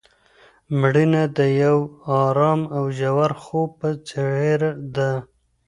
مړینه د یو ارام او ژور خوب په څیر ده.